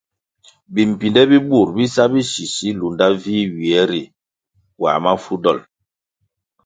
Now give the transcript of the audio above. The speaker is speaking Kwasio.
Bimbpinde bi bur bi sa bisisi lunda vih ywie ri puãh mafu dol.